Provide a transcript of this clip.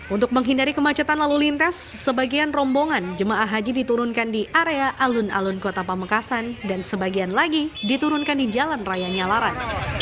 untuk menghindari kemacetan lalu lintas sebagian rombongan jemaah haji diturunkan di area alun alun kota pamekasan dan sebagian lagi diturunkan di jalan raya nyalaran